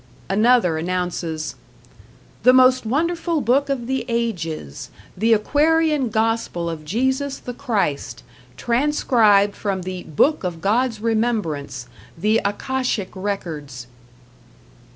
Another announces: The Most Wonderful Book of the Ages: The Acquarian Gospel of Jesus the Christ, Transcribed from the Book of God's Remembrance, the Akashic Records.